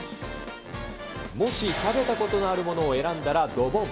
もし食べたことのあるものを選んだらドボン。